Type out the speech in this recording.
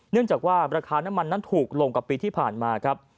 เนื่องจากว่าราคาน้ำมันนั้นถูกลงกว่าปีที่ผ่านมาครับ